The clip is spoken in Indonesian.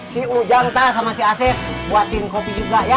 si ujang ta sama si ac buatin kopi juga ya